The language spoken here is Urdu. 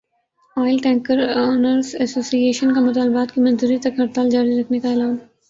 oil tanker owners association کا مطالبات کی منظوری تک ہڑتال جاری رکھنے کا اعلان